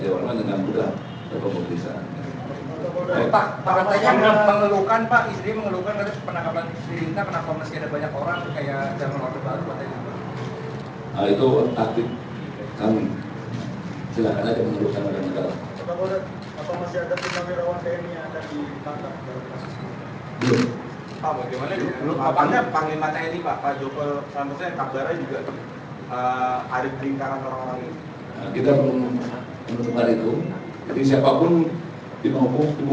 sebelumnya sudah dilaporkan kalau ada respon saya juga